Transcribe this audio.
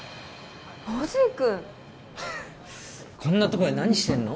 ノジ君こんなとこで何してんの？